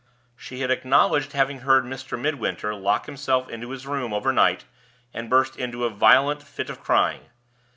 She had acknowledged having heard Mr. Midwinter lock himself into his room overnight, and burst into a violent fit of crying.